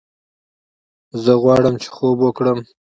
زه غواړم چې خوب وکړم